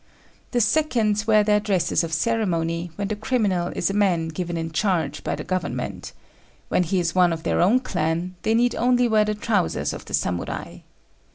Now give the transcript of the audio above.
The seconds wear their dresses of ceremony when the criminal is a man given in charge by the Government: when he is one of their own clan, they need only wear the trousers of the Samurai.